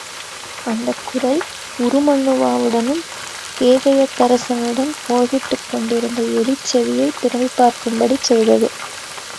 அந்தக் குரல் உருமண்ணுவாவுடனும் கேகயத்தரசனுடன் போரிட்டுக் கொண்டிருந்த எலிச்செவியைத் திரும்பிப் பார்க்கும்படிச் செய்தது.